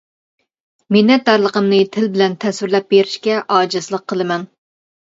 مىننەتدارلىقىمنى تىل بىلەن تەسۋىرلەپ بېرىشكە ئاجىزلىق قىلىمەن.